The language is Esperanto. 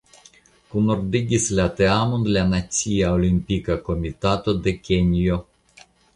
Kunordigis la teamon la "Nacia Olimpika Komitato de Kenjo".